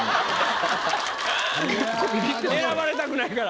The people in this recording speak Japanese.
ハハハハ選ばれたくないから。